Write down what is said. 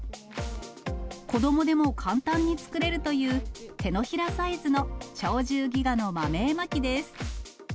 子どもでも簡単に作れるという、手のひらサイズの鳥獣戯画の豆絵巻です。